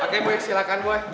oke gue silahkan gue